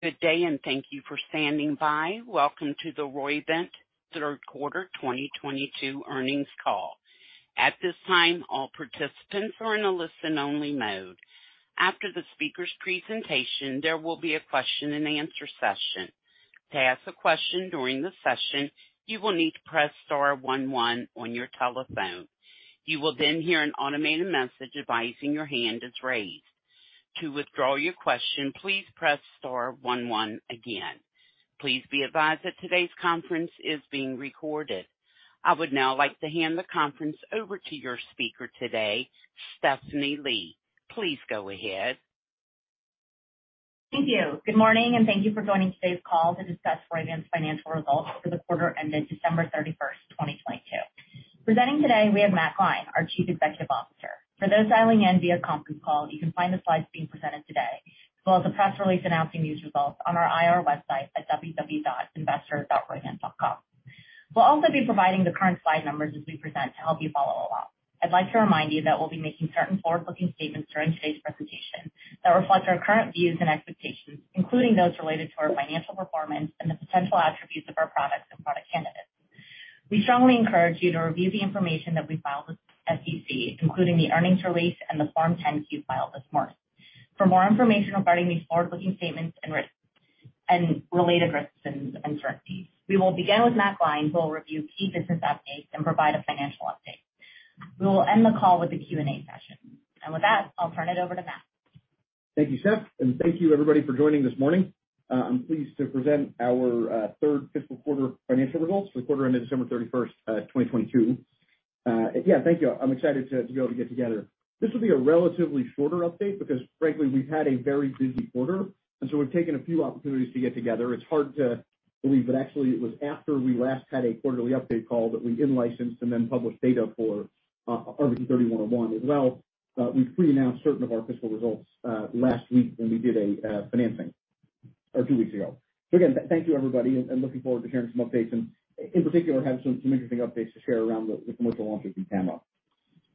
Good day, thank you for standing by. Welcome to the Roivant Q3 2022 Earnings Call. At this time, all participants are in a listen-only mode. After the speaker's presentation, there will be a question and answer session. To ask a question during the session, you will need to press star one one on your telephone. You will then hear an automated message advising your hand is raised. To withdraw your question, please press star one one again. Please be advised that today's conference is being recorded. I would now like to hand the conference over to your speaker today, Stephanie Lee. Please go ahead. Thank you. Good morning, and thank you for joining today's call to discuss Roivant financial results for the quarter ended December 31st, 2022. Presenting today, we have Matt Gline, our Chief Executive Officer. For those dialing in via conference call, you can find the slides being presented today, as well as a press release announcing these results on our IR website at www.investor.roivant.com. We'll also be providing the current slide numbers as we present to help you follow along. I'd like to remind you that we'll be making certain forward-looking statements during today's presentation that reflect our current views and expectations, including those related to our financial performance and the potential attributes of our products and product candidates. We strongly encourage you to review the information that we filed with SEC, including the earnings release and the Form 10-Q filed this morning for more information regarding these forward-looking statements and risks, and related risks and uncertainties. We will begin with Matt Gline, who will review key business updates and provide a financial update. We will end the call with a Q&A session. With that, I'll turn it over to Matt. Thank you, Steph, and thank you everybody for joining this morning. I'm pleased to present our Q3 fiscal financial results for the quarter ended December 31st, 2022. Yeah, thank you. I'm excited to be able to get together. This will be a relatively shorter update because frankly we've had a very busy quarter, and so we've taken a few opportunities to get together. It's hard to believe that actually it was after we last had a quarterly update call that we in-licensed and then published data for RVT-3101. As well, we pre-announced certain of our fiscal results last week when we did a financing, or two weeks ago. Again, thank you everybody and looking forward to sharing some updates and in particular have some interesting updates to share around the commercial launch of VTAMA.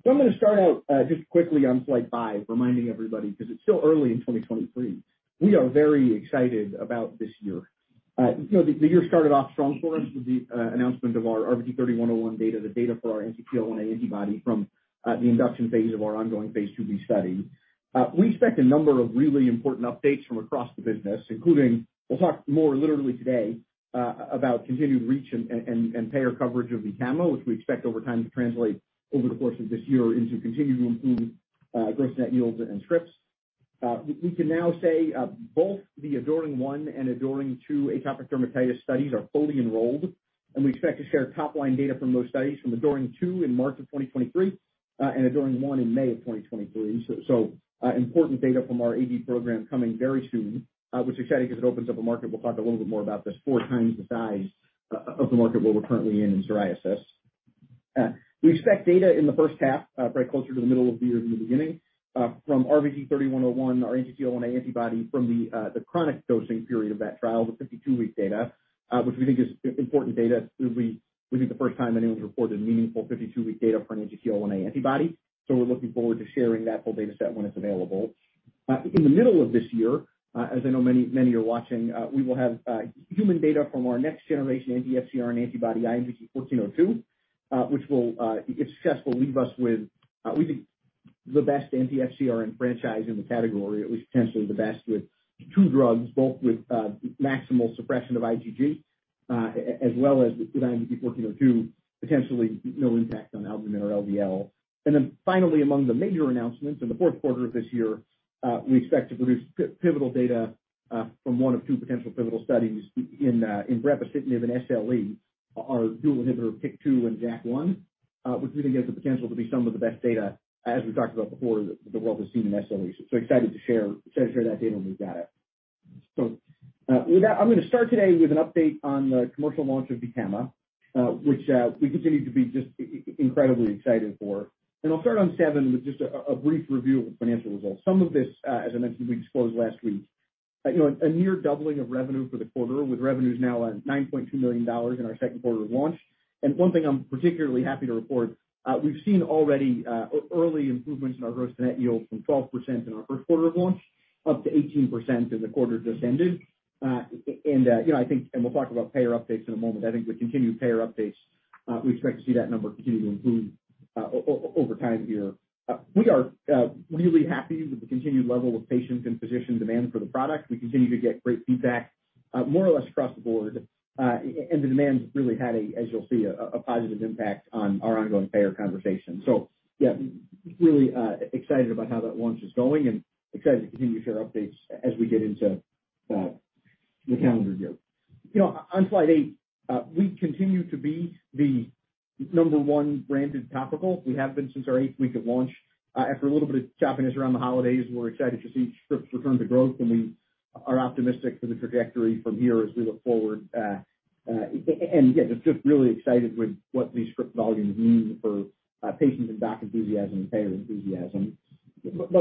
I'm going to start out, just quickly on slide 5, reminding everybody 'cause it's still early in 2023, we are very excited about this year. You know, the year started off strong for us with the announcement of our RVT-3101 data, the data for our Anti-TL1A antibody from the induction phase of our ongoing phase IIB study. We expect a number of really important updates from across the business, including we'll talk more literally today, about continued reach and, and payer coverage of VTAMA, which we expect over time to translate over the course of this year into continued improved, gross net yields and scripts. We can now say both the ADORING-1 and ADORING-2 atopic dermatitis studies are fully enrolled, and we expect to share top line data from those studies from ADORING-2 in March of 2023, and ADORING-1 in May of 2023. Important data from our AD program coming very soon, which is exciting 'cause it opens up a market, we'll talk a little bit more about this, 4x the size of the market where we're currently in psoriasis. We expect data in the H1, probably closer to the middle of the year than the beginning, from RVT-3101, our Anti-TL1A antibody from the chronic dosing period of that trial, the 52-week data, which we think is important data. It will be the first time anyone's reported meaningful 52-week data for an Anti-TL1A antibody. We're looking forward to sharing that full data set when it's available. In the middle of this year, as I know many, many are watching, we will have human data from our next generation anti-FcRn antibody, IMVT-1402, which will, if successful, leave us with we think the best anti-FcRn franchise in the category, at least potentially the best with two drugs, both with maximal suppression of IgG, as well as with IMVT-1402 potentially no impact on albumin or LDL. Finally, among the major announcements in the Q4 of this year, we expect to produce pivotal data from one of two potential pivotal studies in brepocitinib and SLE, our dual inhibitor TYK2 and JAK1, which we think has the potential to be some of the best data, as we've talked about before, the world has seen in SLE. Excited to share that data when we've got it. With that, I'm going to start today with an update on the commercial launch of VTAMA, which we continue to be just incredibly excited for. I'll start on 7 with just a brief review of the financial results. Some of this, as I mentioned, we disclosed last week. You know, a near doubling of revenue for the quarter with revenues now at $9.2 million in our Q2 of launch. One thing I'm particularly happy to report, we've seen already, early improvements in our gross net yield from 12% in our Q1 of launch up to 18% in the quarter just ended. You know, I think, and we'll talk about payer updates in a moment. I think with continued payer updates, we expect to see that number continue to improve over time here. We are really happy with the continued level of patients and physician demand for the product. We continue to get great feedback, more or less across the board. The demand's really had a, as you'll see, a positive impact on our ongoing payer conversation. Yeah, really, excited about how that launch is going and excited to continue to share updates as we get into, the calendar year. You know, on slide 8, we continue to be the number 1 branded topical. We have been since our 8th week of launch. After a little bit of choppiness around the holidays, we're excited to see scripts return to growth, and we are optimistic for the trajectory from here as we look forward. Yeah, just really excited with what these script volumes mean for, patients and doc enthusiasm and payer enthusiasm.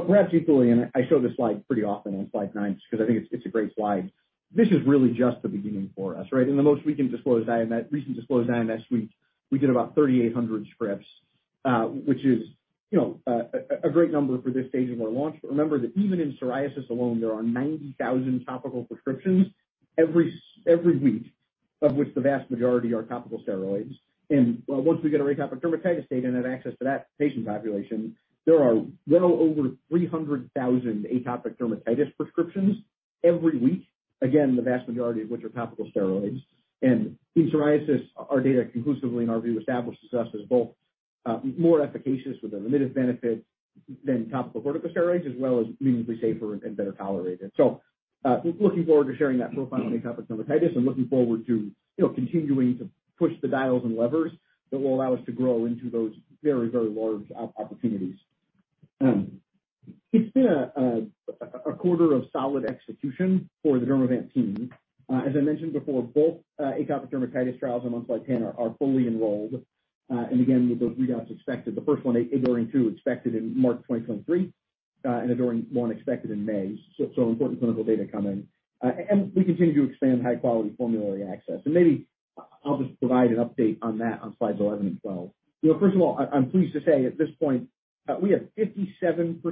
Perhaps equally, and I show this slide pretty often on slide 9 just 'cause I think it's a great slide. This is really just the beginning for us, right? In the most Recent disclosed IMS week, we did about 3,800 scripts, which is, you know, a great number for this stage of our launch. Remember that even in psoriasis alone, there are 90,000 topical prescriptions every week, of which the vast majority are topical steroids. Once we get our atopic dermatitis data and have access to that patient population, there are well over 300,000 atopic dermatitis prescriptions every week. Again, the vast majority of which are topical steroids. In psoriasis, our data conclusively, in our view, establishes us as both more efficacious with a limited benefit than topical corticosteroid, as well as meaningfully safer and better tolerated. Looking forward to sharing that profile on atopic dermatitis and looking forward to, you know, continuing to push the dials and levers that will allow us to grow into those very, very large opportunities. It's been a quarter of solid execution for the Dermavant team. As I mentioned before, both atopic dermatitis trials in month like ten are fully enrolled. And again, with those readouts expected, the first one, ADORING 2, expected in March 2023, and ADORING 1 expected in May. Important clinical data come in. We continue to expand high quality formulary access. Maybe I'll just provide an update on that on slide 11 and 12. You know, first of all, I'm pleased to say at this point, we have 57%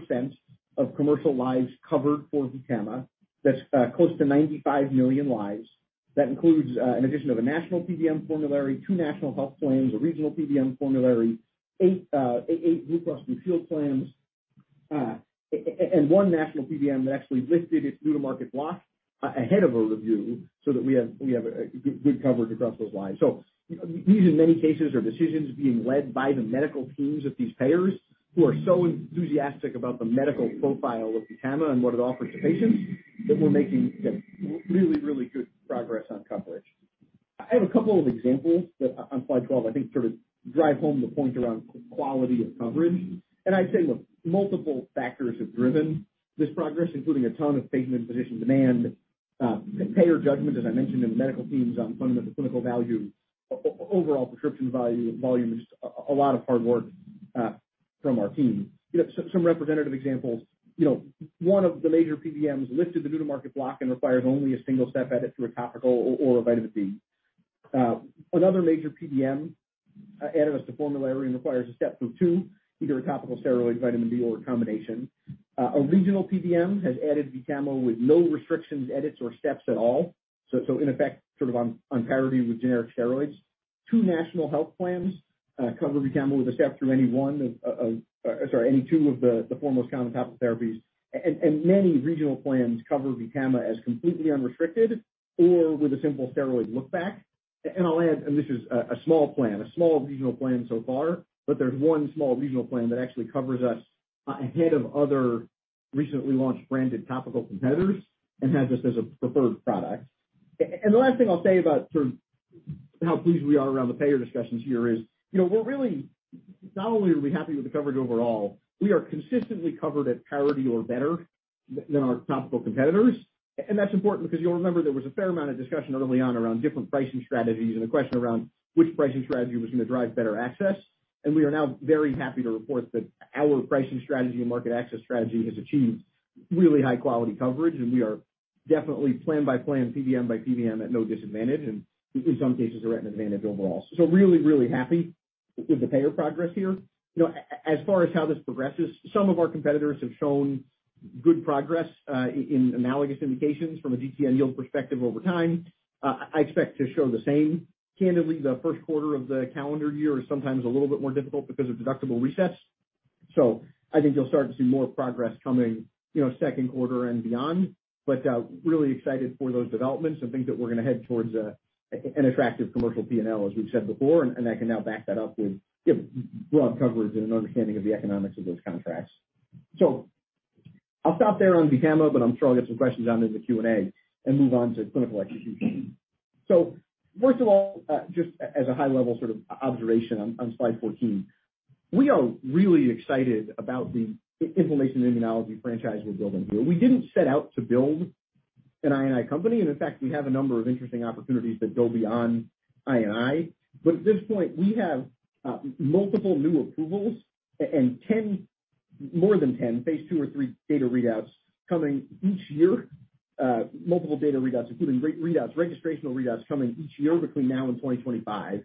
of commercial lives covered for VTAMA. That's close to 95 million lives. That includes an addition of a national PBM formulary, two national health plans, a regional PBM formulary, eight Blue Cross Blue Shield plans, and one national PBM that actually listed its new-to-market block ahead of a review so that we have good coverage across those lines. These, in many cases, are decisions being led by the medical teams of these payers who are so enthusiastic about the medical profile of VTAMA and what it offers to patients that we're making, you know, really, really good progress on coverage. I have a couple of examples that on slide 12, I think drive home the point around quality of coverage. I'd say, look, multiple factors have driven this progress, including a ton of statement physician demand, payer judgment, as I mentioned in the medical teams on fundamental clinical value, overall prescription value and volume, just a lot of hard work from our team. You know, so some representative examples. You know, one of the major PBMs lifted the new-to-market block and requires only a single step edit to a topical or a vitamin D. Another major PBM added us to formulary and requires a step through 2, either a topical steroid, vitamin D, or a combination. A regional PBM has added VTAMA with no restrictions, edits, or steps at all. So in effect, on parity with generic steroids. Two national health plans cover VTAMA with a step through any one of, sorry, any two of the foremost common topical therapies, and many regional plans cover VTAMA as completely unrestricted or with a simple steroid look back. I'll add, and this is a small plan, a small regional plan so far, but there's one small regional plan that actually covers us ahead of other recently launched branded topical competitors and has us as a preferred product. The last thing I'll say about how pleased we are around the payer discussions here is, you know, not only are we happy with the coverage overall, we are consistently covered at parity or better than our topical competitors. That's important because you'll remember there was a fair amount of discussion early on around different pricing strategies and the question around which pricing strategy was going to drive better access. We are now very happy to report that our pricing strategy and market access strategy has achieved really high-quality coverage. We are definitely plan by plan, PBM by PBM, at no disadvantage, and in some cases are at an advantage overall. Really, really happy with the payer progress here. You know, as far as how this progresses, some of our competitors have shown good progress in analogous indications from a DT and yield perspective over time. I expect to show the same. Candidly, the Q1 of the calendar year is sometimes a little bit more difficult because of deductible resets. I think you'll start to see more progress coming, you know, Q2 and beyond. Really excited for those developments and think that we're going to head towards an attractive commercial P&L, as we've said before, and I can now back that up with, you know, broad coverage and an understanding of the economics of those contracts. I'll stop there on VTAMA, but I'm sure I'll get some questions on it in the Q&A, and move on to clinical execution. First of all, just as a high level observation on slide 14. We are really excited about the inflammation immunology franchise we're building here. We didn't set out to build an I&I company, and in fact, we have a number of interesting opportunities that go beyond I&I. At this point, we have multiple new approvals and 10 -- more than 10 phase II or III data readouts coming each year. Multiple data readouts, including registrational readouts coming each year between now and 2025.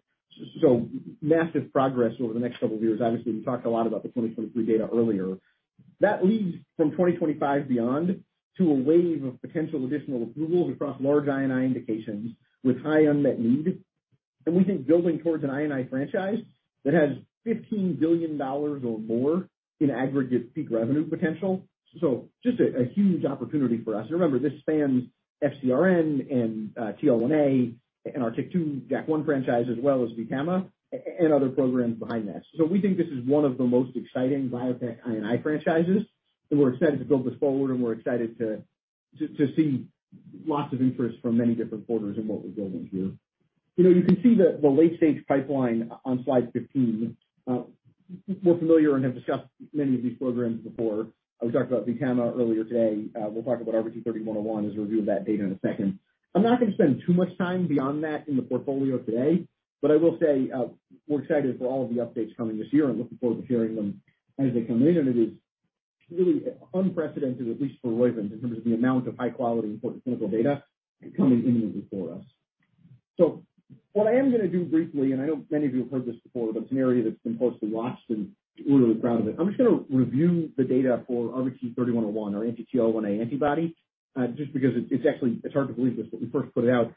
Massive progress over the next couple of years. Obviously, we talked a lot about the 2023 data earlier. That leads from 2025 beyond to a wave of potential additional approvals across large I&I indications with high unmet need. We think building towards an I&I franchise that has $15 billion or more in aggregate peak revenue potential. Just a huge opportunity for us. Remember, this spans FcRn and TL1A and our TYK2/JAK1 franchise as well as VTAMA and other programs behind that. We think this is one of the most exciting biotech I&I franchises, and we're excited to build this forward, and we're excited to see lots of interest from many different quarters in what we're building here. You know, you can see the late-stage pipeline on slide 15. We're familiar and have discussed many of these programs before. We talked about VTAMA earlier today. We'll talk about RVT-3101 as we review that data in a second. I'm not going to spend too much time beyond that in the portfolio today, but I will say, we're excited for all of the updates coming this year and looking forward to sharing them as they come in. It is really unprecedented, at least for Roivant, in terms of the amount of high-quality important clinical data coming immediately for us. What I am going to do briefly, and I know many of you have heard this before, but it's an area that's been close to Washington. We're really proud of it. I'm just going to review the data for RVT-3101, our anti-TL1A antibody, just because it's actually it's hard to believe this, but we first put it out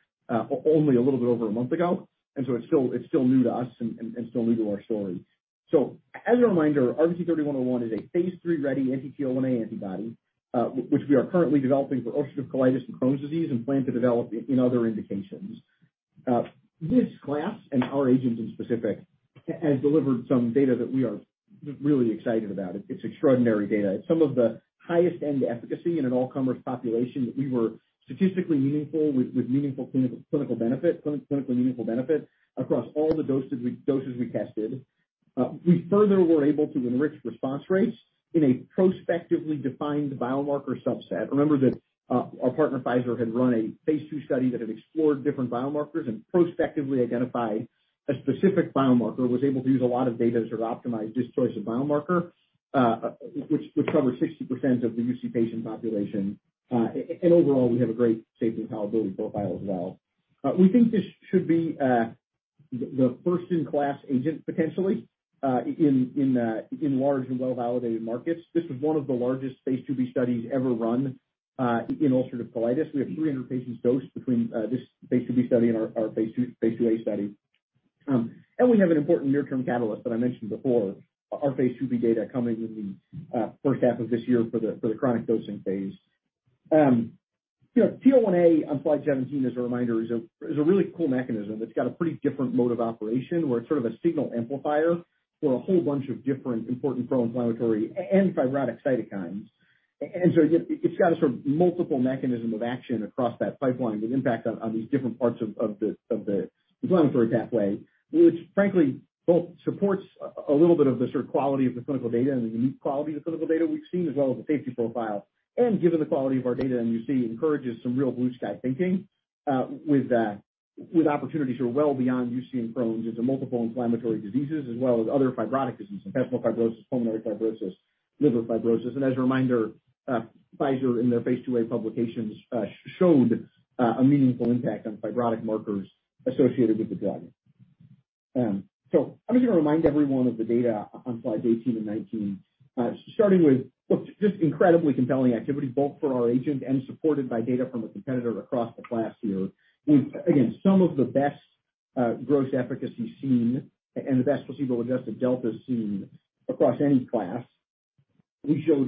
only a little bit over a month ago, so it's still new to us and still new to our story. As a reminder, RVT-3101 is a phase III-ready anti-TL1A antibody, which we are currently developing for ulcerative colitis and Crohn's disease and plan to develop in other indications. This class and our agents in specific has delivered some data that we are really excited about. It's extraordinary data. It's some of the highest end efficacy in an all-comers population that we were statistically meaningful with meaningful clinical benefit, clinically meaningful benefit across all the doses we tested. We further were able to enrich response rates in a prospectively defined biomarker subset. Remember that our partner Pfizer had run a phase II study that had explored different biomarkers and prospectively identified a specific biomarker, was able to use a lot of data to optimize this choice of biomarker, which covers 60% of the UC patient population. Overall we have a great safety and tolerability profile as well. We think this should be the first in class agent potentially in large and well-validated markets. This is one of the largest phase IIB studies ever run in ulcerative colitis. We have 300 patients dosed between this phase IIB study and our phase IIA study. We have an important near-term catalyst that I mentioned before, our phase IIB data coming in the H1 of this year for the chronic dosing phase. You know, TL1A on slide 17 as a reminder is a really cool mechanism that's got a pretty different mode of operation where it's a signal amplifier for a whole bunch of different important pro-inflammatory and fibrotic cytokines. It's got a multiple mechanism of action across that pipeline with impact on these different parts of the inflammatory pathway, which frankly both supports a little bit of the quality of the clinical data and the unique quality of the clinical data we've seen as well as the safety profile. Given the quality of our data in UC encourages some real blue sky thinking with opportunities well beyond UC and Crohn's into multiple inflammatory diseases as well as other fibrotic diseases, intestinal fibrosis, pulmonary fibrosis, liver fibrosis. As a reminder, Pfizer in their phase IIA publications showed a meaningful impact on fibrotic markers associated with the drug. I'm just going to remind everyone of the data on slides 18 and 19, starting with, look, just incredibly compelling activity both for our agent and supported by data from a competitor across the class here with, again, some of the best gross efficacy seen and the best placebo-adjusted delta seen across any class. We showed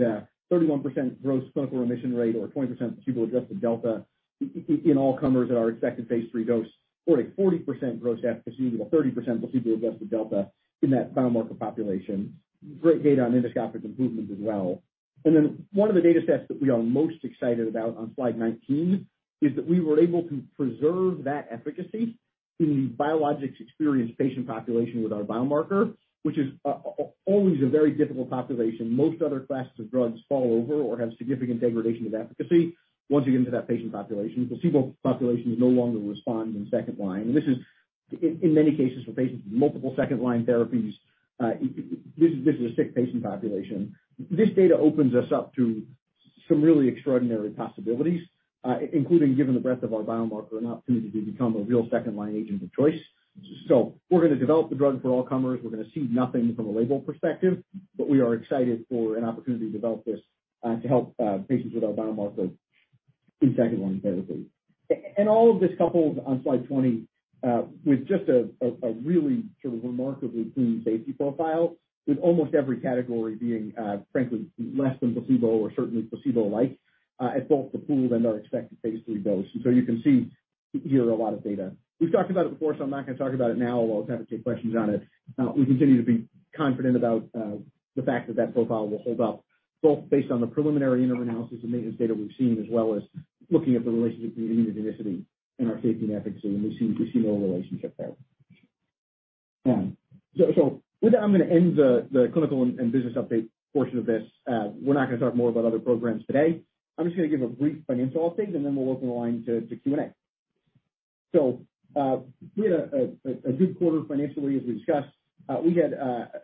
31% gross clinical remission rate or a 20% placebo-adjusted delta in all comers at our expected phase III dose, or a 40% gross efficacy with a 30% placebo-adjusted delta in that biomarker population. Great data on endoscopic improvement as well. One of the data sets that we are most excited about on slide 19 is that we were able to preserve that efficacy in the biologics experienced patient population with our biomarker, which is always a very difficult population. Most other classes of drugs fall over or have significant degradation of efficacy once you get into that patient population. Placebo population is no longer responding in second-line. This is in many cases for patients with multiple second-line therapies, this is a sick patient population. This data opens us up to some really extraordinary possibilities, including given the breadth of our biomarker, an opportunity to become a real second-line agent of choice. We're going to develop the drug for all comers. We're going to cede nothing from a label perspective, but we are excited for an opportunity to develop this to help patients with our biomarker in second-line therapy. All of this coupled on slide 20, with just a really remarkably clean safety profile with almost every category being, frankly less than placebo or certainly placebo-like, at both the pooled and our expected phase III dose. You can see here a lot of data. We've talked about it before, I'm not going to talk about it now, although I'm happy to take questions on it. We continue to be confident about the fact that that profile will hold up both based on the preliminary interim analysis and maintenance data we've seen, as well as looking at the relationship between immunogenicity and our safety and efficacy and we see no relationship there. With that, I'm going to end the clinical and business update portion of this. We're not going to talk more about other programs today. I'm just going to give a brief financial update and then we'll open the line to Q&A. We had a good quarter financially as we discussed. We had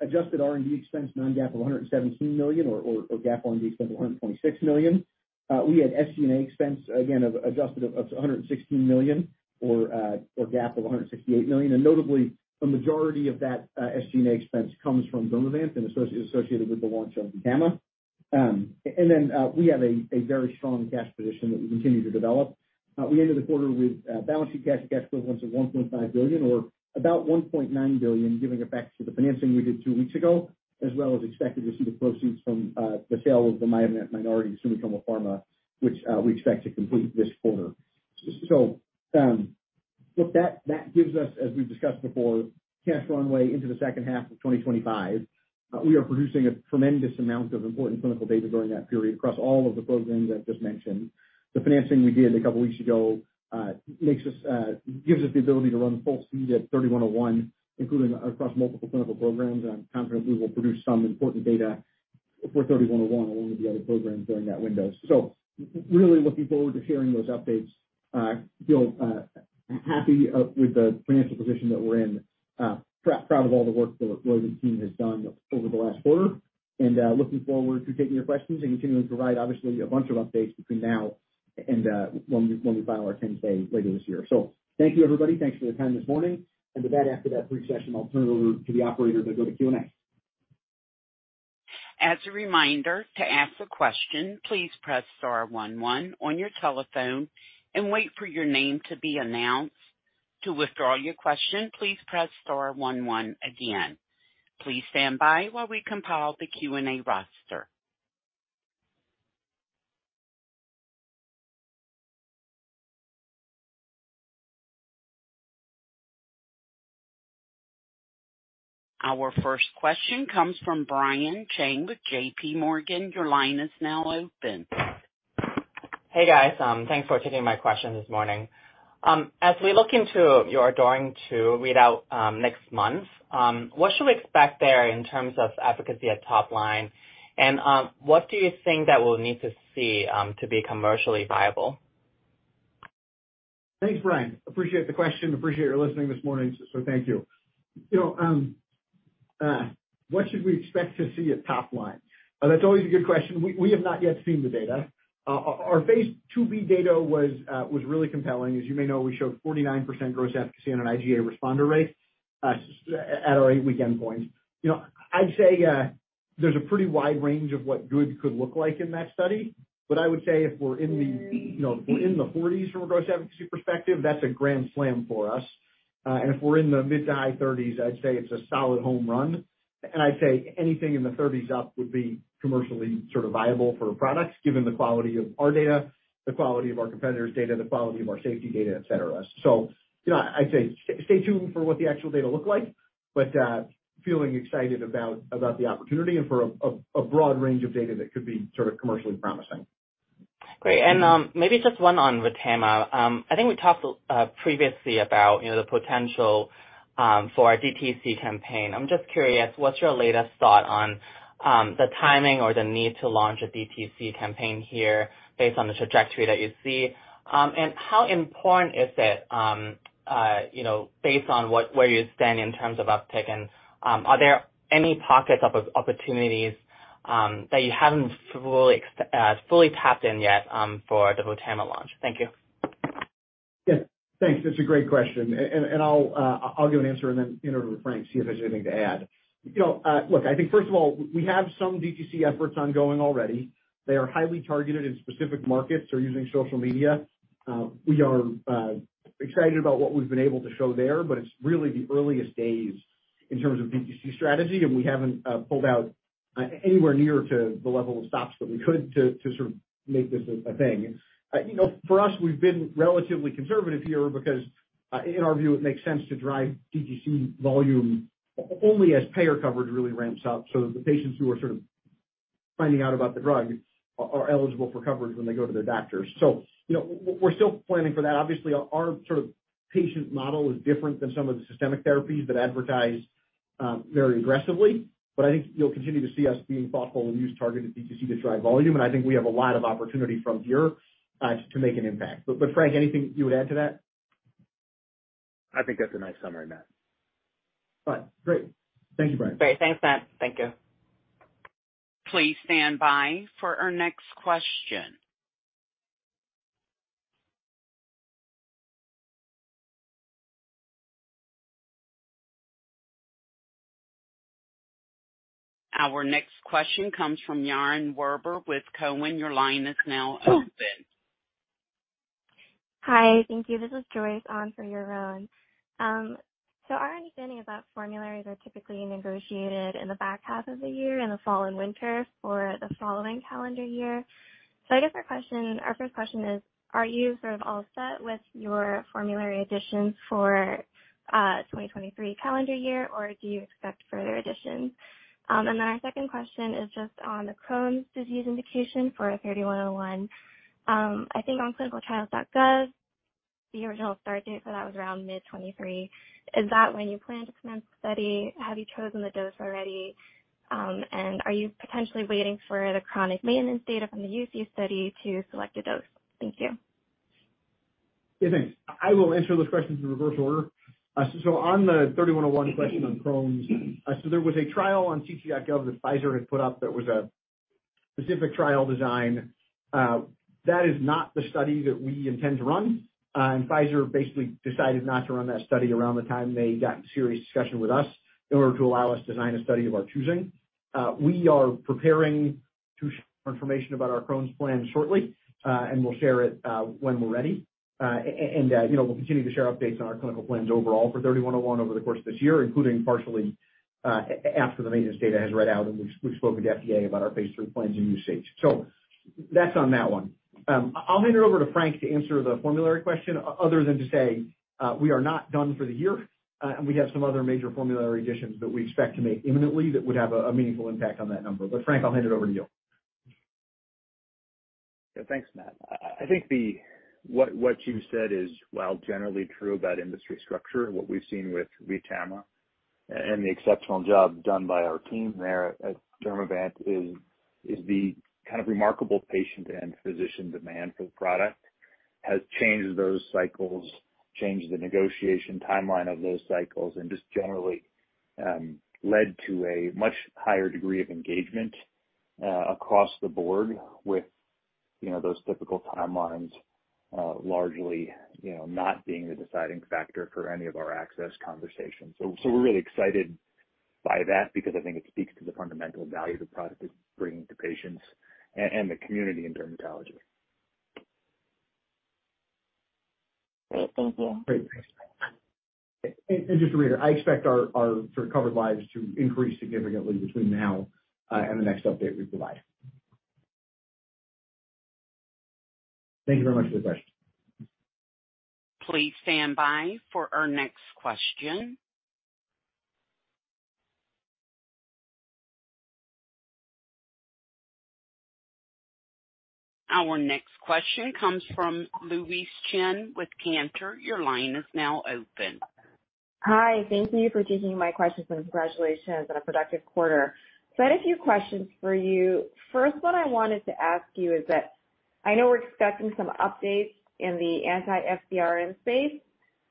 adjusted R&D expense non-GAAP of $117 million or GAAP R&D expense of $126 million. We had SG&A expense again of adjusted of $116 million or GAAP of $168 million. Notably a majority of that SG&A expense comes from Dermavant and associated with the launch of VTAMA. Then we have a very strong cash position that we continue to develop. We ended the quarter with balancing cash and cash equivalents of $1.5 billion or about $1.9 billion, giving effects to the financing we did 2 weeks ago, as well as expected to see the proceeds from the sale of the MiMed minority Sumitomo Pharma, which we expect to complete this quarter. With that gives us, as we've discussed before, cash runway into the H2 of 2025. We are producing a tremendous amount of important clinical data during that period across all of the programs I've just mentioned. The financing we did a couple weeks ago makes us gives us the ability to run full speed at RVT-3101, including across multiple clinical programs. I'm confident we will produce some important data for 3101 along with the other programs during that window. Really looking forward to sharing those updates. Feel happy with the financial position that we're in. Proud of all the work the Roivant team has done over the last quarter. Looking forward to taking your questions and continuing to provide obviously a bunch of updates between now and when we file our 10-K later this year. Thank you, everybody. Thanks for your time this morning. With that, after that brief session, I'll turn it over to the operator as I go to Q&A. As a reminder, to ask a question, please press star one one on your telephone and wait for your name to be announced. To withdraw your question, please press star one one again. Please stand by while we compile the Q&A roster. Our first question comes from Brian Cheng with JPMorgan. Your line is now open. Hey, guys. Thanks for taking my question this morning. As we look into your ADORING 2 readout, next month, what should we expect there in terms of efficacy at top line? What do you think that we'll need to see, to be commercially viable? Thanks, Brian. Appreciate the question. Appreciate your listening this morning. Thank you. You know, what should we expect to see at top line? That's always a good question. We have not yet seen the data. Our phase IIb data was really compelling. As you may know, we showed 49% gross efficacy on an IGA responder rate at our eight-week endpoint. You know, I'd say, there's a pretty wide range of what good could look like in that study. I would say if we're in the, you know, if we're in the 40s from a gross efficacy perspective, that's a grand slam for us. If we're in the mid to high 30s, I'd say it's a solid home run. I'd say anything in the thirties up would be commercially viable for products, given the quality of our data, the quality of our competitors' data, the quality of our safety data, et cetera. You know, I'd say stay tuned for what the actual data look like, but feeling excited about the opportunity and for a broad range of data that could be commercially promising. Great. Maybe just one on VTAMA. I think we talked previously about, you know, the potential for a DTC campaign. I'm just curious, what's your latest thought on the timing or the need to launch a DTC campaign here based on the trajectory that you see? How important is it, you know, based on what, where you stand in terms of uptick? Are there any pockets of opportunities that you haven't fully tapped in yet for the VTAMA launch? Thank you. Yeah. Thanks. That's a great question. I'll give an answer and then hand over to Frank, see if there's anything to add. You know, look, I think first of all, we have some DTC efforts ongoing already. They are highly targeted in specific markets. They're using social media. We are excited about what we've been able to show there, but it's really the earliest days in terms of DTC strategy, and we haven't pulled out anywhere near to the level of stops that we could to make this a thing. You know, for us, we've been relatively conservative here because, in our view, it makes sense to drive DTC volume only as payer coverage really ramps up so that the patients who are finding out about the drug are eligible for coverage when they go to their doctors. You know, we're still planning for that. Obviously, our patient model is different than some of the systemic therapies that advertise very aggressively. I think you'll continue to see us being thoughtful and use targeted DTC to drive volume, and I think we have a lot of opportunity from here to make an impact. Frank, anything you would add to that? I think that's a nice summary, Matt. Fine. Great. Thank you, Brian. Great. Thanks, Matt. Thank you. Please stand by for our next question. Our next question comes from Yaron Werber with Cowen. Your line is now open. Hi. Thank you. This is Joyce on for Yaron. Our understanding about formularies are typically negotiated in the back half of the year, in the fall and winter for the following calendar year. I guess our question, our first question is, are you all set with your formulary additions for 2023 calendar year, or do you expect further additions? Our second question is just on the Crohn's disease indication for RVT-3101. I think on ClinicalTrials.gov, the original start date for that was around mid-2023. Is that when you plan to commence the study? Have you chosen the dose already? Are you potentially waiting for the chronic maintenance data from the UC study to select a dose? Thank you. Yeah, thanks. I will answer those questions in reverse order. On the 3101 question on Crohn's, there was a trial on cc.gov that Pfizer had put up that was a specific trial design. That is not the study that we intend to run. Pfizer basically decided not to run that study around the time they got in serious discussion with us in order to allow us to design a study of our choosing. We are preparing to share more information about our Crohn's plan shortly, and we'll share it when we're ready. You know, we'll continue to share updates on our clinical plans overall for RVT-3101 over the course of this year, including partially, after the maintenance data has read out and we've spoken to FDA about our phase III plans in usage. That's on that one. I'll hand it over to Frank to answer the formulary question other than to say, we are not done for the year, and we have some other major formulary additions that we expect to make imminently that would have a meaningful impact on that number. Frank, I'll hand it over to you. Yeah. Thanks, Matt. I think what you've said is, while generally true about industry structure and what we've seen with VTAMA and the exceptional job done by our team there at Dermavant is the remarkable patient and physician demand for the product. Has changed those cycles, changed the negotiation timeline of those cycles, and just generally led to a much higher degree of engagement across the board with, you know, those typical timelines, largely, you know, not being the deciding factor for any of our access conversations. We're really excited by that because I think it speaks to the fundamental value the product is bringing to patients and the community in dermatology. Great. Thank you. Great. Thanks. Just to reiterate, I expect our covered lives to increase significantly between now and the next update we provide. Thank you very much for the question. Please stand by for our next question. Our next question comes from Louise Chen with Cantor. Your line is now open. Hi. Thank you for taking my questions, and congratulations on a productive quarter. I had a few questions for you. First one I wanted to ask you is that I know we're expecting some updates in the anti-FcRn space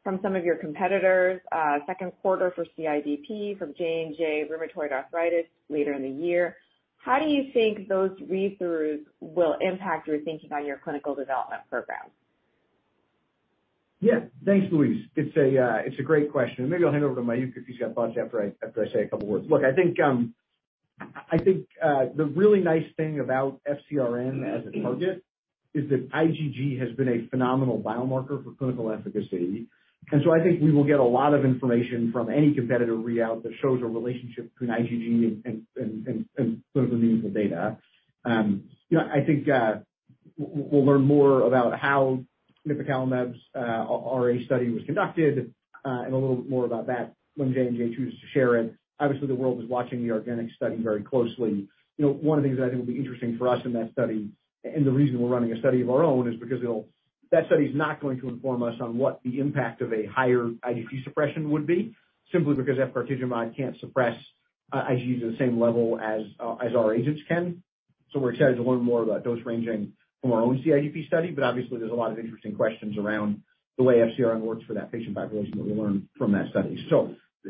from some of your competitors, Q2 for CIDP from J&J rheumatoid arthritis later in the year. How do you think those read-throughs will impact your thinking on your clinical development program? Yeah. Thanks, Louise. It's a great question, maybe I'll hand over to Mayukh if he's got thoughts after I say a couple words. Look, I think the really nice thing about FCRN as a target is that IgG has been a phenomenal biomarker for clinical efficacy. I think we will get a lot of information from any competitive readout that shows a relationship between IgG and clinical meaningful data. You know, I think we'll learn more about how nipocalimab's RA study was conducted and a little bit more about that when J&J chooses to share it. Obviously, the world is watching the organic study very closely. You know, one of the things that I think will be interesting for us in that study and the reason we're running a study of our own is because that study's not going to inform us on what the impact of a higher IDP suppression would be simply because efgartigimod can't suppress IgGs at the same level as our agents can. We're excited to learn more about dose ranging from our own CIDP study, but obviously there's a lot of interesting questions around the way FcRn works for that patient population that we'll learn from that study.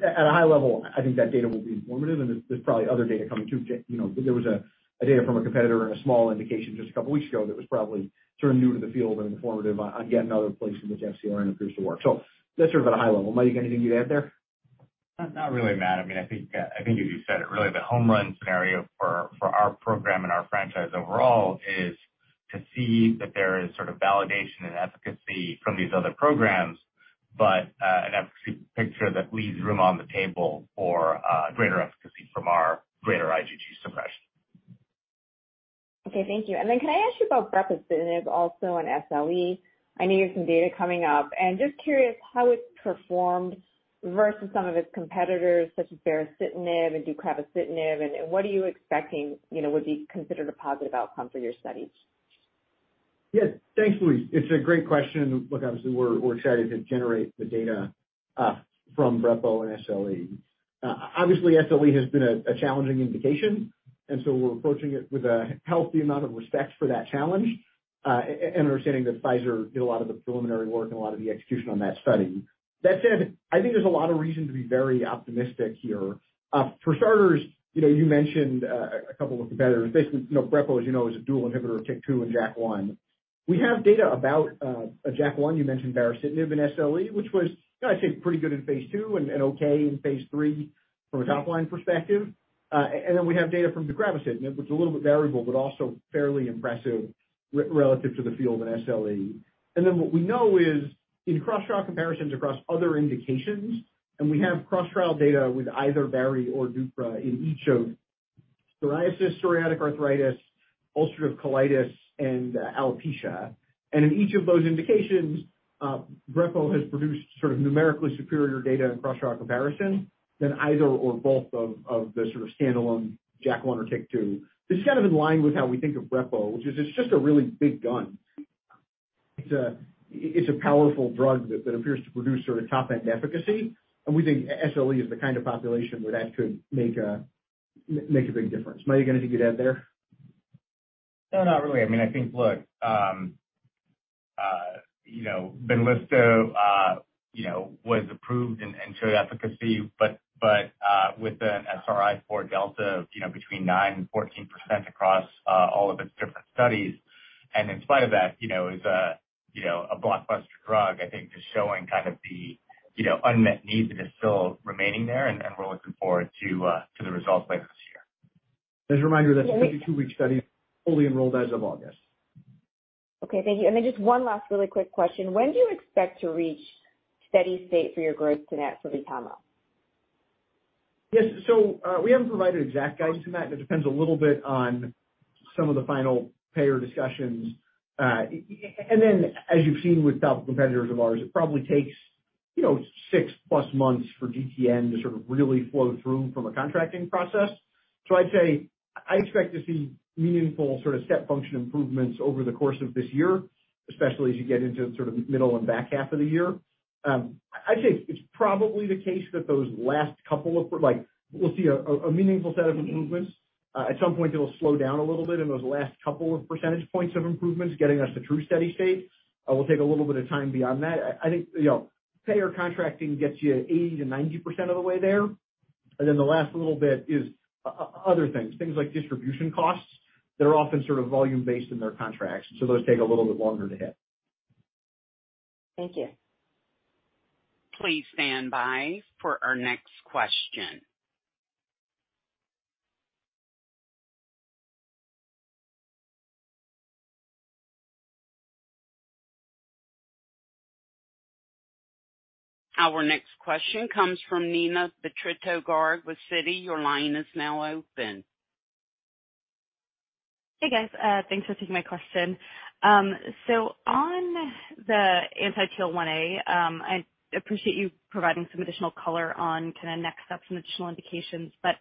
At a high level, I think that data will be informative, and there's probably other data coming too. You know, there was a data from a competitor in a small indication just a couple weeks ago that was probably new to the field and informative on yet another place in which FCRN appears to work. That's at a high level. Mayukh, anything you'd add there? Not really, Matt. I mean, I think as you said, really the home run scenario for our program and our franchise overall is to see that there is validation and efficacy from these other programs, but an efficacy picture that leaves room on the table for greater efficacy from our greater IgG suppression. Okay. Thank you. Then can I ask you about brepocitinib also on SLE? I know you have some data coming up, and just curious how it's performed versus some of its competitors, such as baricitinib and deucravacitinib. What are you expecting, you know, would be considered a positive outcome for your studies? Yes. Thanks, Louise. It's a great question. Look, obviously, we're excited to generate the data from Brepo and SLE. Obviously, SLE has been a challenging indication, so we're approaching it with a healthy amount of respect for that challenge and understanding that Pfizer did a lot of the preliminary work and a lot of the execution on that study. That said, I think there's a lot of reason to be very optimistic here. For starters, you know, you mentioned a couple of competitors. Basically, you know, Brepo, as you know, is a dual inhibitor of TYK2 and JAK1. We have data about JAK1, you mentioned baricitinib and SLE, which was, I'd say, pretty good in phase II and okay in phase III from a top-line perspective. Then we have data from the deucravacitinib, which is a little bit variable but also fairly impressive relative to the field in SLE. Then what we know is in cross-trial comparisons across other indications, and we have cross-trial data with either Bari or Dupra in each of psoriasis, psoriatic arthritis, ulcerative colitis, and alopecia. In each of those indications, Brepo has produced numerically superior data in cross-trial comparison than either or both of the standalone JAK1 or TYK2. This is in line with how we think of Brepo, which is it's just a really big gun. It's a powerful drug that appears to produce top-end efficacy, and we think SLE is the population where that could make a big difference. Mayuk, anything you'd add there? No, not really. I mean, I think look, you know, Benlysta, you know, was approved and showed efficacy, but, with an SRI-4 delta of, you know, between 9% and 14% across all of its different studies. In spite of that, you know, it was a blockbuster drug, I think just showing the unmet need that is still remaining there. We're looking forward to the results later this year. Just a reminder, that's a 52-week study, fully enrolled as of August. Okay. Thank you. Just one last really quick question. When do you expect to reach steady state for your growth net for VTAMA? Yes. we haven't provided exact guidance on that. It depends a little bit on some of the final payer discussions. and then as you've seen with competitors of ours, it probably takes, you know, 6-plus months for GTN to really flow through from a contracting process. I'd say I expect to see meaningful step function improvements over the course of this year, especially as you get into middle and back half of the year. I'd say it's probably the case that those last couple of like, we'll see a meaningful set of improvements. At some point it'll slow down a little bit in those last couple of percentage points of improvements, getting us to true steady state, will take a little bit of time beyond that. I think, you know, payer contracting gets you 80%-90% of the way there, and then the last little bit is other things like distribution costs that are often volume-based in their contracts, so those take a little bit longer to hit. Thank you. Please stand by for our next question. Our next question comes from Neena Bitritto-Garg with Citi. Your line is now open. Hey, guys. Thanks for taking my question. So on the anti-TL1A, I'd appreciate you providing some additional color on next steps and additional indications. But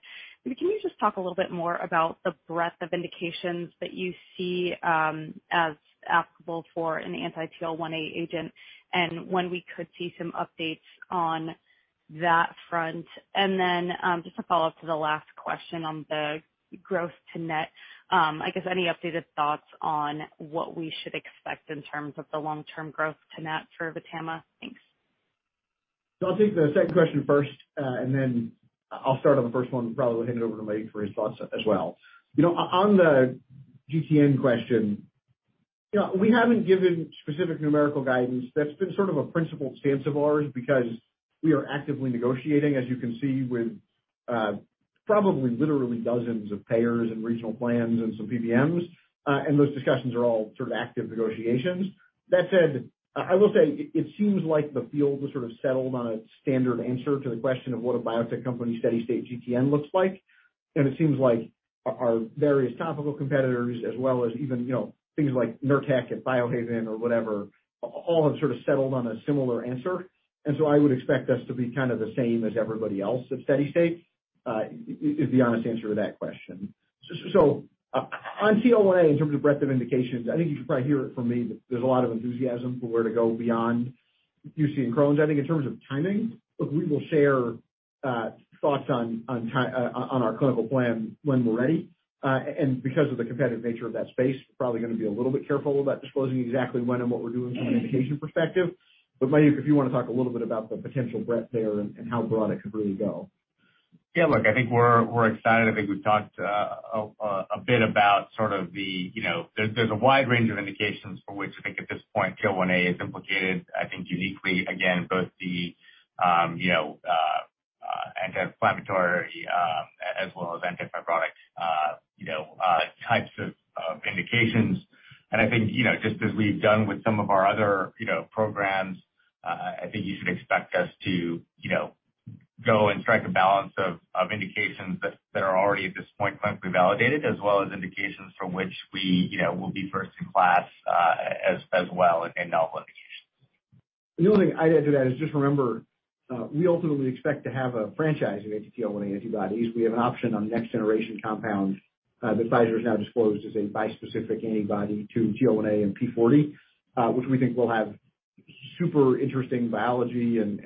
maybe can you just talk a little bit more about the breadth of indications that you see as applicable for an anti-TL1A agent and when we could see some updates on that front? Just a follow-up to the last question on the growth to net, I guess any updated thoughts on what we should expect in terms of the long-term growth to net for VTAMA? Thanks. I'll take the second question first, and then I'll start on the first one, probably hand it over to Mayukh for his thoughts as well. You know, on the GTN question, you know, we haven't given specific numerical guidance. That's been a principled stance of ours because we are actively negotiating, as you can see, with, probably literally dozens of payers and regional plans and some PBMs, and those discussions are all active negotiations. That said, I will say it seems like the field was settled on a standard answer to the question of what a biotech company steady-state GTN looks like. It seems like our various topical competitors, as well as even, you know, things like Nurtec at Biohaven or whatever, all have settled on a similar answer. I would expect us to be the same as everybody else at steady state, is the honest answer to that question. On TL1A, in terms of breadth of indications, I think you should probably hear it from me that there's a lot of enthusiasm for where to go beyond UC and Crohn's. I think in terms of timing, look, we will share thoughts on our clinical plan when we're ready. Because of the competitive nature of that space, probably going to be a little bit careful about disclosing exactly when and what we're doing from an indication perspective. Mayuk, if you want to talk a little bit about the potential breadth there and how broad it could really go. Yeah, look, I think we're excited. I think we've talked a bit about the, you know... There's a wide range of indications for which I think at this point TL1A is implicated, I think uniquely again, both the, you know, anti-inflammatory as well as anti-fibrotic, you know, types of indications. I think, you know, just as we've done with some of our other, you know, programs, I think you should expect us to, you know, go and strike a balance of indications that are already at this point clinically validated, as well as indications for which we, you know, will be first in class as well in novel indications. The only thing I'd add to that is just remember, we ultimately expect to have a franchise of anti-TL1A antibodies. We have an option on next generation compounds, that Pfizer has now disclosed as a bispecific antibody to TL1A and p40, which we think will have super interesting biology and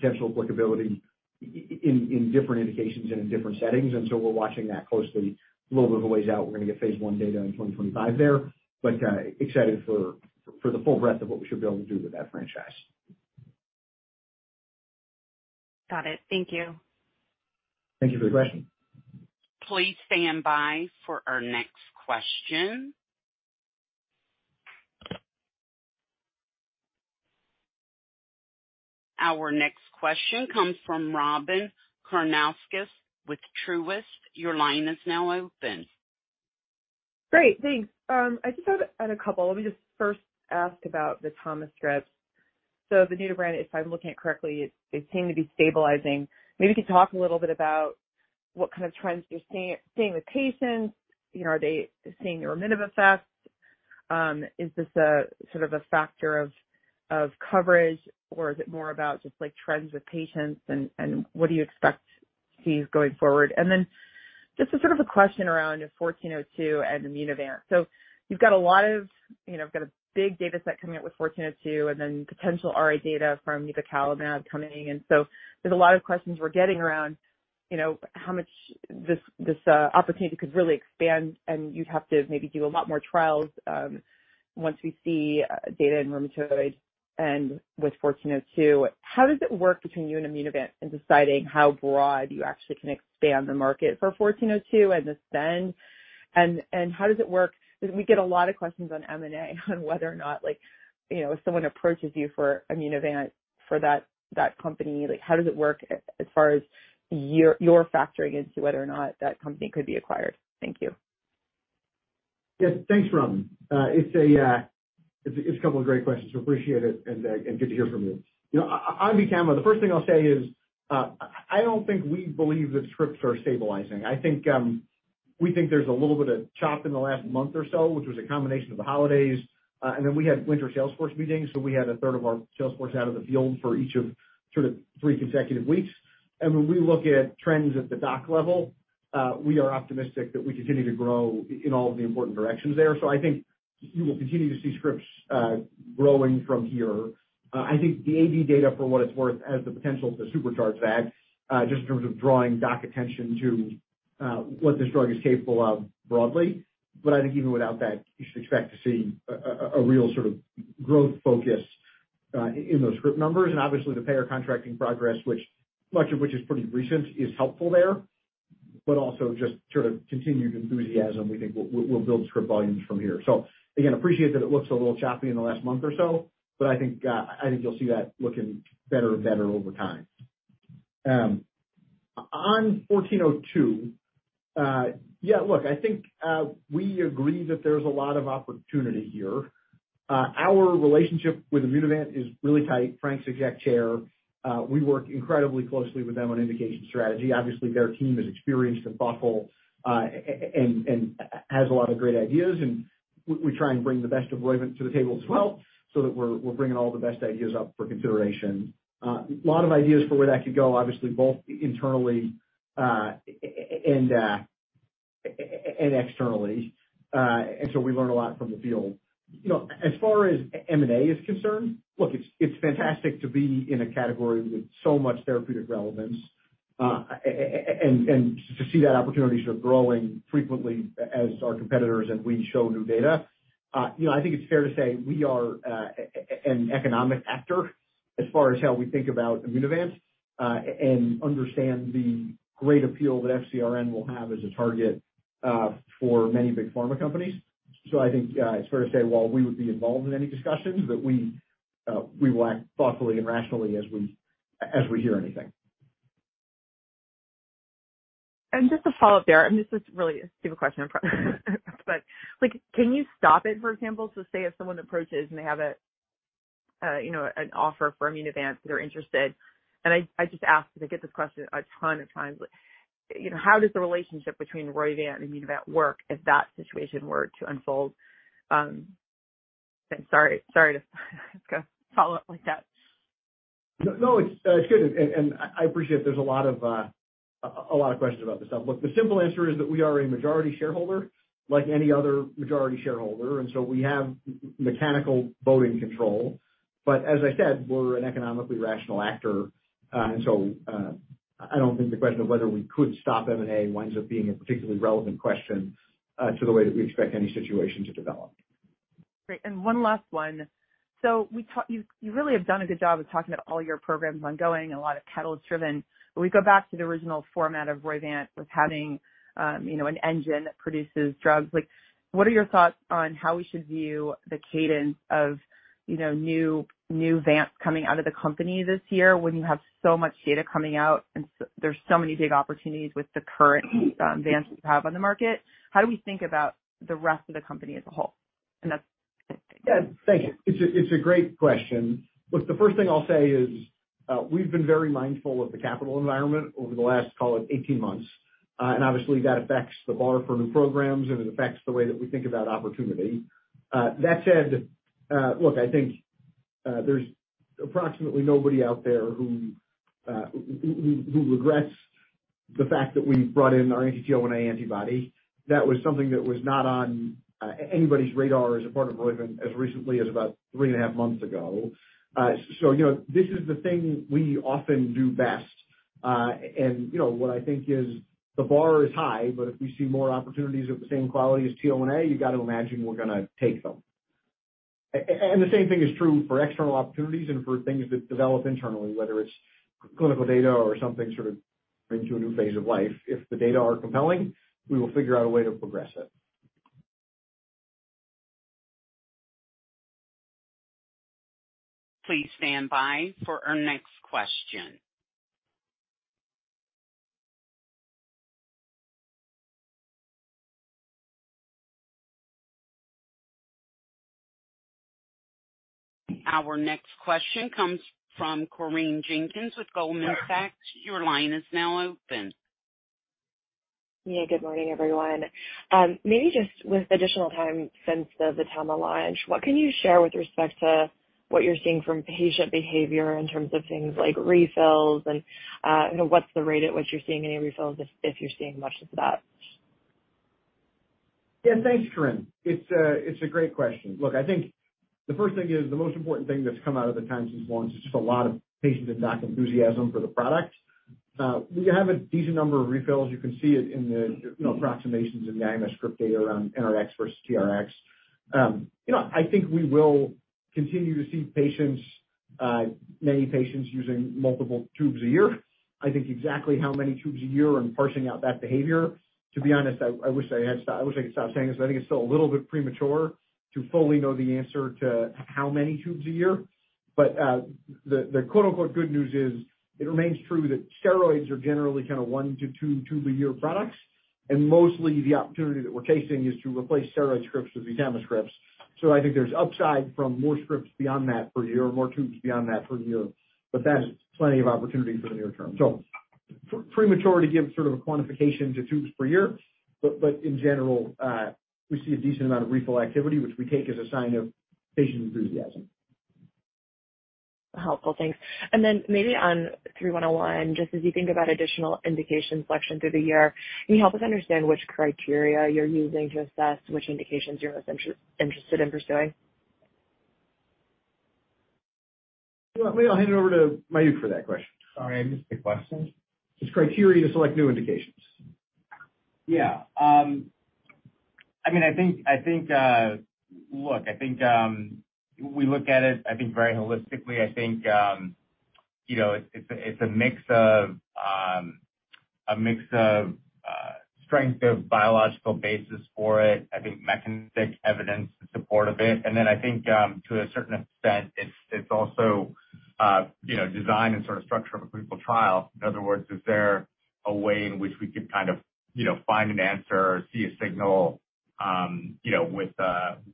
potential applicability in different indications and in different settings. We're watching that closely a little bit of a ways out. We're going to get phase I data in 2025 there, but excited for the full breadth of what we should be able to do with that franchise. Got it. Thank you. Thank you for the question. Please stand by for our next question. Our next question comes from Robyn Karnauskas with Truist. Your line is now open. Great. Thanks. I just had a couple. Let me just first ask about the VTAMA scripts. The new brand, if I'm looking at it correctly, it seemed to be stabilizing. Maybe you could talk a little bit about what trends you're seeing with patients. You know, are they seeing your minim effect? Is this a a factor of coverage, or is it more about just like trends with patients and what do you expect to see going forward? Just a a question around 1402 and Immunovant. You've got a lot of, you know, got a big data set coming out with 1402 and then potential RA data from nipocalimab coming. There's a lot of questions we're getting around, you know, how much this opportunity could really expand, and you'd have to maybe do a lot more trials, once we see data in rheumatoid and with fourteen oh two. How does it work between you and Immunovant in deciding how broad you actually can expand the market for fourteen oh two and the spend? How does it work? We get a lot of questions on M&A, on whether or not, like, you know, if someone approaches you for Immunovant for that company, like, how does it work as far as your factoring into whether or not that company could be acquired? Thank you. Yes. Thanks, Robyn. It's a couple of great questions, so appreciate it and good to hear from you. You know, on VTAMA, the first thing I'll say is, I don't think we believe that scripts are stabilizing. I think, we think there's a little bit of chop in the last month or so, which was a combination of the holidays. Then we had winter sales force meetings, so we had a third of our sales force out of the field for each of three consecutive weeks. When we look at trends at the doc level, we are optimistic that we continue to grow in all of the important directions there. I think you will continue to see scripts growing from here. I think the AB data, for what it's worth, has the potential to supercharge that, just in terms of drawing doc attention to what this drug is capable of broadly. I think even without that, you should expect to see a real growth focus in those script numbers. Obviously the payer contracting progress, which much of which is pretty recent, is helpful there. Also just continued enthusiasm, we think we'll build script volumes from here. Again, appreciate that it looks a little choppy in the last month or so, but I think you'll see that looking better and better over time. On 1402, yeah, look, I think we agree that there's a lot of opportunity here. Our relationship with Immunovant is really tight. Frank's exec chair. We work incredibly closely with them on indication strategy. Obviously, their team is experienced and thoughtful, and has a lot of great ideas, and we try and bring the best of Roivant to the table as well, so that we're bringing all the best ideas up for consideration. Lot of ideas for where that could go, obviously, both internally, and externally. We learn a lot from the field. You know, as far as M&A is concerned, look, it's fantastic to be in a category with so much therapeutic relevance, and to see that opportunity growing frequently as our competitors and we show new data. You know, I think it's fair to say we are an economic actor as far as how we think about Immunovant, and understand the great appeal that FcRn will have as a target for many big pharma companies. I think it's fair to say while we would be involved in any discussions, but we will act thoughtfully and rationally as we hear anything. Just to follow up there, and this is really a stupid question, but like, can you stop it, for example, so say if someone approaches and they have a, you know, an offer for Immunovant, they're interested, and I just ask because I get this question a ton of times. Like, you know, how does the relationship between Roivant and Immunovant work if that situation were to unfold? Sorry to follow up like that. No, no, it's good. I appreciate there's a lot of questions about this stuff. Look, the simple answer is that we are a majority shareholder like any other majority shareholder. We have mechanical voting control. As I said, we're an economically rational actor. I don't think the question of whether we could stop M&A winds up being a particularly relevant question, to the way that we expect any situation to develop. Great. One last one. You really have done a good job of talking about all your programs ongoing and a lot of catalyst-driven. We go back to the original format of Roivant with having, you know, an engine that produces drugs. What are your thoughts on how we should view the cadence of, you know, new vants coming out of the company this year when you have so much data coming out and there's so many big opportunities with the current vants you have on the market? How do we think about the rest of the company as a whole? That's it. Yeah. Thank you. It's a great question. Look, the first thing I'll say is, we've been very mindful of the capital environment over the last, call it 18 months. Obviously that affects the bar for new programs, and it affects the way that we think about opportunity. That said, look, I think, there's approximately nobody out there who regrets the fact that we brought in our anti-TL1A antibody. That was something that was not on anybody's radar as a part of Roivant as recently as about 3.5 months ago. You know, this is the thing we often do best. You know, what I think is the bar is high, but if we see more opportunities of the same quality as TL1A, you got to imagine we're going to take them. The same thing is true for external opportunities and for things that develop internally, whether it's clinical data or something into a new phase of life. If the data are compelling, we will figure out a way to progress it. Please stand by for our next question. Our next question comes from Corinne Jenkins with Goldman Sachs. Your line is now open. Good morning, everyone. Maybe just with additional time since the VTAMA launch, what can you share with respect to what you're seeing from patient behavior in terms of things like refills and, you know, what's the rate at which you're seeing any refills if you're seeing much of that? Thanks, Corinne. It's a great question. I think the first thing is the most important thing that's come out of the time since launch is just a lot of patient and doc enthusiasm for the product. We have a decent number of refills. You can see it in the, you know, approximations in the IMS script data around NRX versus TRX. You know, I think we will continue to see patients, many patients using multiple tubes a year. I think exactly how many tubes a year and parsing out that behavior, to be honest, I wish I could stop saying this, but I think it's still a little bit premature to fully know the answer to how many tubes a year. The "Good news is, it remains true that steroids are generally 1 to 2 tube a year products." Mostly the opportunity that we're chasing is to replace steroid scripts with VTAMA scripts. I think there's upside from more scripts beyond that per year or more tubes beyond that per year. That is plenty of opportunity for the near term. Premature to give a quantification to tubes per year. In general, we see a decent amount of refill activity, which we take as a sign of patient enthusiasm. Helpful. Thanks. Maybe on 3101, just as you think about additional indication selection through the year, can you help us understand which criteria you're most interested in pursuing? You know what? Maybe I'll hand it over to Mayukh for that question. Sorry, I missed the question. It's criteria to select new indications. Yeah. I mean, I think, look, I think, we look at it, I think, very holistically. I think, you know, it's a, it's a mix of, a mix of, strength of biological basis for it. I think mechanistic evidence in support of it. I think, to a certain extent it's also, you know, design and structure of a clinical trial. In other words, is there a way in which we could, you know, find an answer or see a signal, you know, with,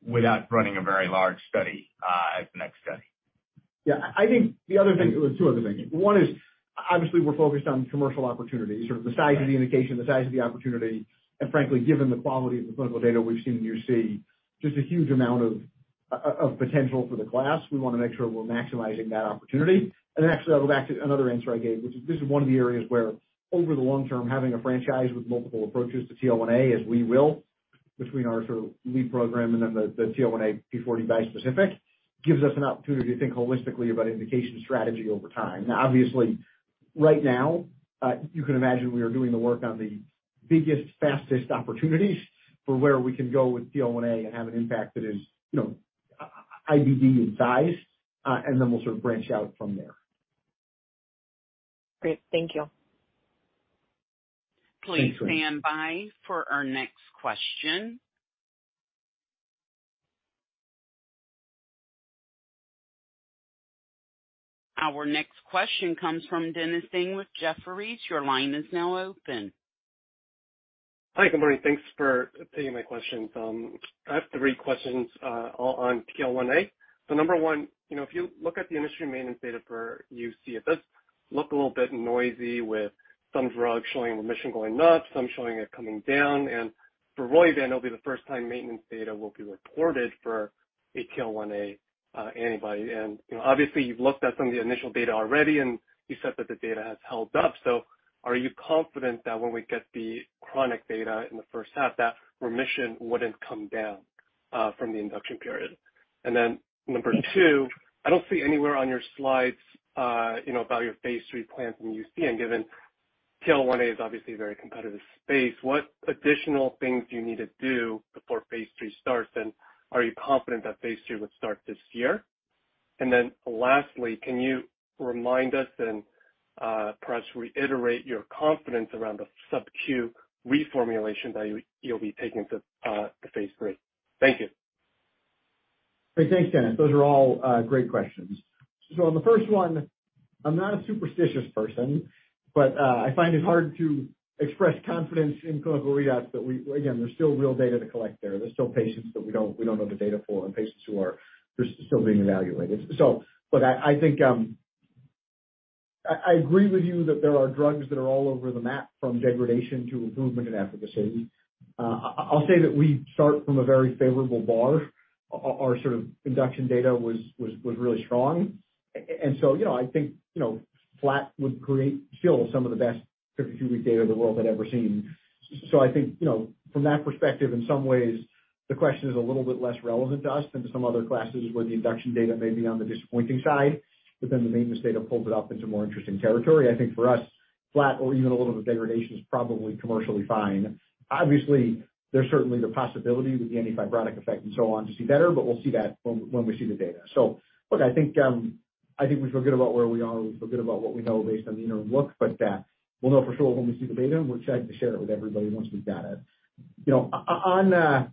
without running a very large study, as the next study? Yeah. I think the other thing, well, two other things. One is obviously we're focused on commercial opportunity, the size of the indication, the size of the opportunity. Frankly, given the quality of the clinical data we've seen in UC, just a huge amount of potential for the class. We want to make sure we're maximizing that opportunity. Actually I'll go back to another answer I gave, which is this is one of the areas where over the long term, having a franchise with multiple approaches to TL1A as we will between our lead program and then the TL1A p40 bispecific, gives us an opportunity to think holistically about indication strategy over time. Obviously, right now, you can imagine we are doing the work on the biggest, fastest opportunities for where we can go with TL1A and have an impact that is, you know, IBD in size, and then we'll branch out from there. Great. Thank you. Thanks, Mayukh. Please stand by for our next question. Our next question comes from Dennis Ding with Jefferies. Your line is now open. Hi. Good morning. Thanks for taking my questions. I have three questions, all on TL1A. Number 1, you know, if you look at the industry maintenance data for UC, it does look a little bit noisy with some drugs showing remission going up, some showing it coming down. For Roivant, it'll be the first time maintenance data will be reported for a TL1A antibody. You know, obviously you've looked at some of the initial data already and you said that the data has held up. Are you confident that when we get the chronic data in the H1, that remission wouldn't come down from the induction period? Number 2, I don't see anywhere on your slides, you know, about your phase III plans in UC. Given TL1A is obviously a very competitive space, what additional things do you need to do before phase III starts, and are you confident that phase III would start this year? Lastly, can you remind us and perhaps reiterate your confidence around the SubQ reformulation that you'll be taking to phase III? Thank you. Great. Thanks, Dennis. Those are all great questions. On the first one, I'm not a superstitious person, but I find it hard to express confidence in clinical readouts that again, there's still real data to collect there. There's still patients that we don't know the data for and patients who are, they're still being evaluated. I think, I agree with you that there are drugs that are all over the map from degradation to improvement in efficacy. I'll say that we start from a very favorable bar. Our induction data was really strong. You know, I think, you know, flat would create still some of the best 52-week data the world had ever seen. I think, you know, from that perspective, in some ways, the question is a little bit less relevant to us than to some other classes where the induction data may be on the disappointing side, but then the maintenance data pulls it up into more interesting territory. I think for us, flat or even a little bit of degradation is probably commercially fine. Obviously, there's certainly the possibility with the antifibrotic effect and so on to see better, but we'll see that when we see the data. Look, I think, I think we feel good about where we are. We feel good about what we know based on the interim look, but we'll know for sure when we see the data, and we're excited to share it with everybody once we've got it. You know, on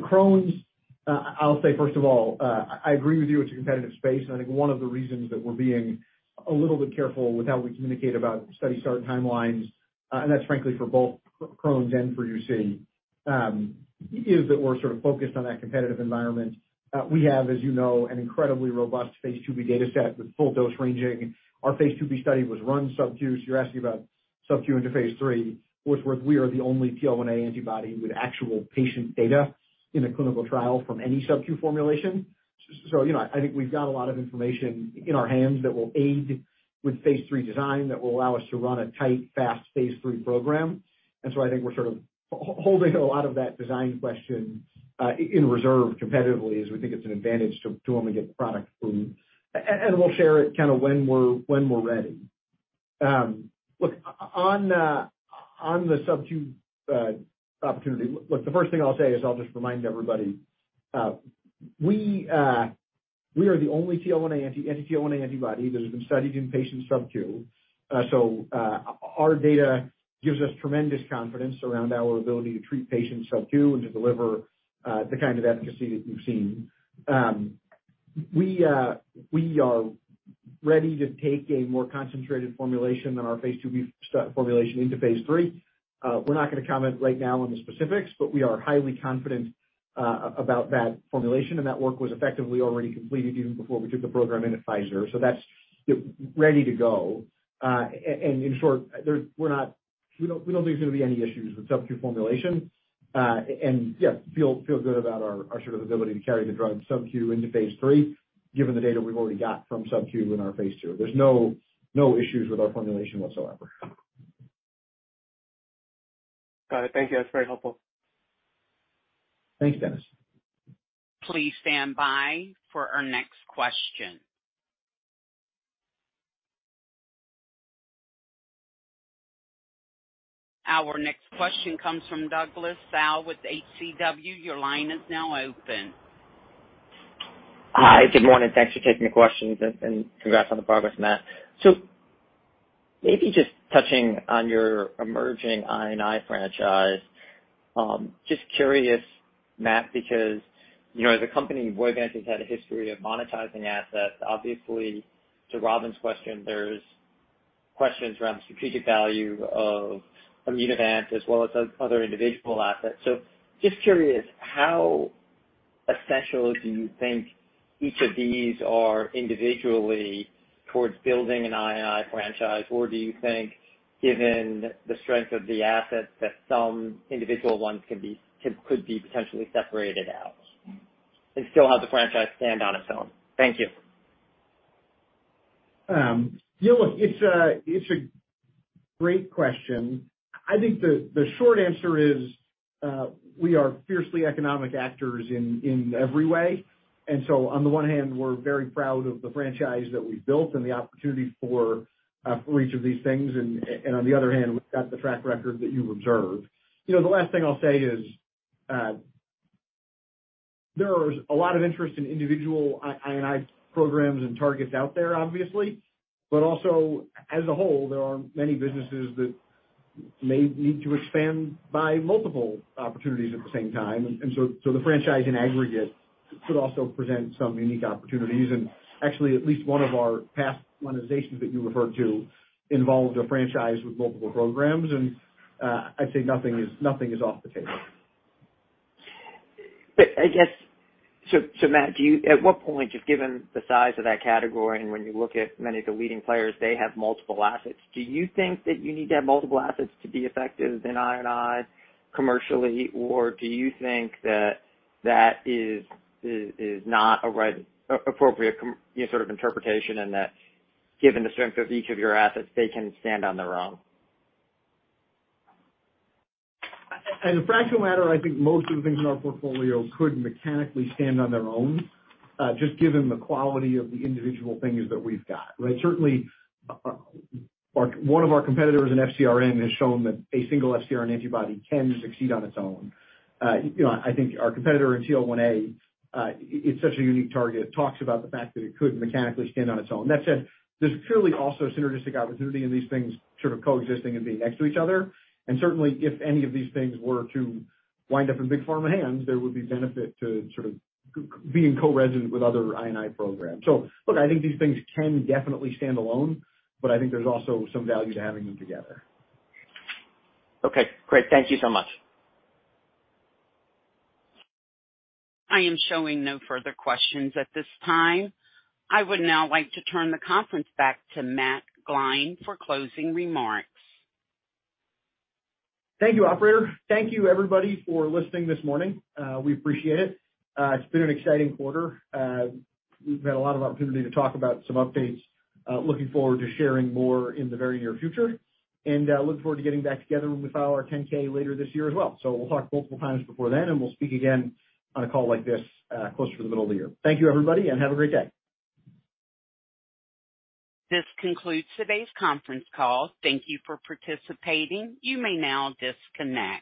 Crohn's, I'll say first of all, I agree with you, it's a competitive space, and I think one of the reasons that we're being a little bit careful with how we communicate about study start timelines, and that's frankly for both Crohn's and for UC, is that we're focused on that competitive environment. We have, as you know, an incredibly robust phase IIB data set with full dose ranging. Our phase IIB study was run SubQ. You're asking about SubQ into phase III. For what it's worth, we are the only TL1A antibody with actual patient data in a clinical trial from any SubQ formulation. You know, I think we've got a lot of information in our hands that will aid with phase III design that will allow us to run a tight, fast phase III program. I think we're holding a lot of that design question in reserve competitively as we think it's an advantage to when we get the product approved. We'll share it when we're ready. Look, on the SubQ opportunity, look, the first thing I'll say is I'll just remind everybody, we are the only TL1A anti-TL1A antibody that has been studied in patients. Our data gives us tremendous confidence around our ability to treat patients SubQ and to deliver the efficacy that we've seen. We are ready to take a more concentrated formulation than our phase IIB formulation into phase III. We're not going to comment right now on the specifics, but we are highly confident about that formulation, and that work was effectively already completed even before we took the program into Pfizer. That's ready to go. In short, we don't think there's going to be any issues with SubQ formulation. And yeah, feel good about our ability to carry the drug SubQ into phase III given the data we've already got from SubQ in our phase II. There's no issues with our formulation whatsoever. Thank you. That's very helpful. Thanks, Dennis. Please stand by for our next question. Our next question comes from Douglas Tsao with HCW. Your line is now open. Hi, good morning. Thanks for taking the questions, and congrats on the progress, Matt. Maybe just touching on your emerging I&I franchise. Just curious, Matt, because, you know, as a company, Roivant has had a history of monetizing assets. Obviously, to Robyn's question, there's questions around the strategic value of Immunovant as well as other individual assets. Just curious, how essential do you think each of these are individually towards building an I&I franchise? Or do you think, given the strength of the assets, that some individual ones can be potentially separated out and still have the franchise stand on its own? Thank you. Yeah, look, it's a great question. I think the short answer is, we are fiercely economic actors in every way. On the one hand we're very proud of the franchise that we've built and the opportunity for each of these things. On the other hand, we've got the track record that you observe. You know, the last thing I'll say is, there's a lot of interest in individual I&I programs and targets out there, obviously, but also as a whole there are many businesses that may need to expand by multiple opportunities at the same time. The franchise in aggregate could also present some unique opportunities. Actually at least one of our past monetizations that you referred to involved a franchise with multiple programs. I'd say nothing is off the table. I guess Matt, do you at what point, just given the size of that category and when you look at many of the leading players, they have multiple assets. Do you think that you need to have multiple assets to be effective in I&I commercially or do you think that that is not an appropriate interpretation and that given the strength of each of your assets they can stand on their own? As a fraction of the matter I think most of the things in our portfolio could mechanically stand on their own, just given the quality of the individual things that we've got, right. Certainly one of our competitors in FCRN has shown that a single FCRN antibody can succeed on its own. You know, I think our competitor in TL1A, it's such a unique target. It talks about the fact that it could mechanically stand on its own. That said, there's clearly also synergistic opportunity in these things coexisting and being next to each other. Certainly if any of these things were to wind up in big pharma hands, there would be benefit to being co-resident with other I&I programs. Look, I think these things can definitely stand alone, but I think there's also some value to having them together. Okay, great. Thank you so much. I am showing no further questions at this time. I would now like to turn the conference back to Matt Gline for closing remarks. Thank you, operator. Thank you everybody for listening this morning. We appreciate it. It's been an exciting quarter. We've had a lot of opportunity to talk about some updates. Looking forward to sharing more in the very near future. Look forward to getting back together when we file our 10-K later this year as well. We'll talk multiple times before then, and we'll speak again on a call like this, closer to the middle of the year. Thank you everybody, and have a great day. This concludes today's conference call. Thank you for participating. You may now disconnect.